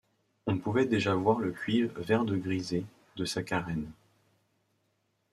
On pouvait déjà voir le cuivre vertdegrisé de sa carène.